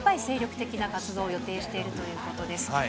精力的な活動を予定しているということです。